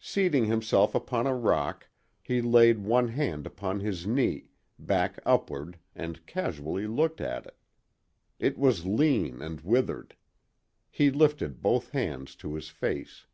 Seating himself upon a rock, he laid one hand upon his knee, back upward, and casually looked at it. It was lean and withered. He lifted both hands to his face.